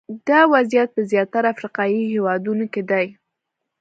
دا وضعیت په زیاتره افریقایي هېوادونو کې دی.